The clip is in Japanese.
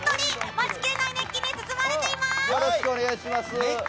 待ちきれない熱気に包まれています。